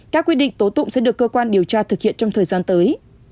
các quy định tố tụng sẽ được cơ quan điều tra thực hiện trong thời gian tới